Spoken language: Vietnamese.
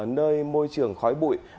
nơi môi trường khói bụi